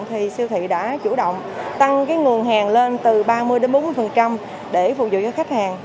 thì siêu thị đã chủ động tăng nguồn hàng lên từ ba mươi bốn mươi để phục vụ cho khách hàng